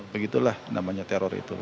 begitulah namanya teror itu